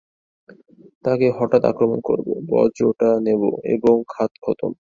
তাকে হঠাৎ আক্রমণ করবো, বজ্রটা নেবো এবং কাজ খতম।